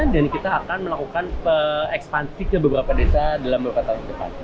dan kita akan melakukan ekspansi ke beberapa desa dalam beberapa tahun depan